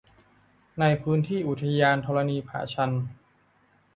ในพื้นที่อุทยานธรณีผาชัน